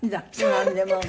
なんでもが。